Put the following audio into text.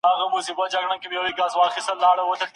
هر ستونزه د حل یوه لاره لري.